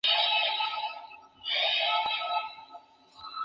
Dos estrategias son distantes si sus pagos son diferentes.